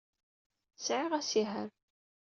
Sɛiɣ asihaṛ.